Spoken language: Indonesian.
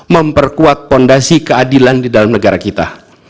memperkuat fondasi keadilan di dalam negara kita